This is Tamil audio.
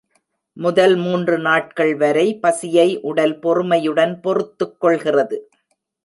முதல் மூன்று நாட்கள் வரை, பசியை உடல் பொறுமையுடன் பொறுத்துக் கொள்கிறது.